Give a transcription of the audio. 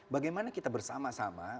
bagaimana kita bersama sama